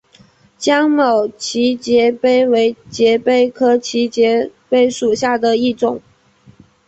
江某畸节蜱为节蜱科畸节蜱属下的一个种。